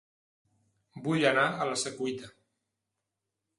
Vull anar a La Secuita